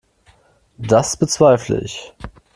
Das bezweifle ich.